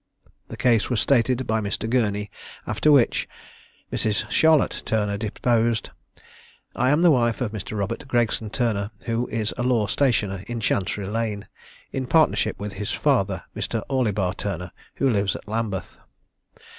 The case was stated by Mr. Gurney; after which Mrs. Charlotte Turner deposed I am the wife of Mr. Robert Gregson Turner, who is a law stationer in Chancery lane, in partnership with his father, Mr. Orlibar Turner, who lives at Lambeth.